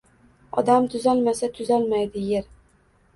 Odam tuzalmasa – tuzalmaydi Yer